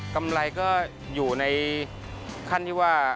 กำไรก็อยู่ในขั้นที่ว่า